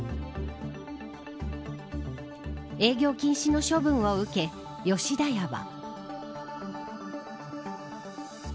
営業禁止の処分を受け吉田屋は。